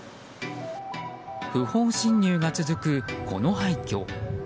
不法侵入が続く、この廃虚。